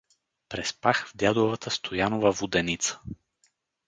— Преспах в дядовата Стоянова воденица.